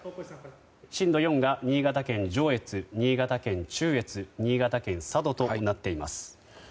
震度４が新潟県上越、新潟県中越新潟県佐渡となっています。